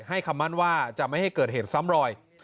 คำมั่นว่าจะไม่ให้เกิดเหตุซ้ำรอย